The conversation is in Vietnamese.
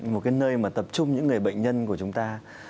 một cái nơi mà tập trung những người bệnh nhân của chúng ta